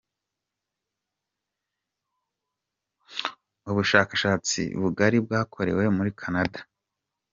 Ubushakashatsi bugari bwakorewe muri Canada.